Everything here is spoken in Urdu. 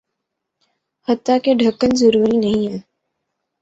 حتٰیکہ ڈھکن ضروری نہیں ہیں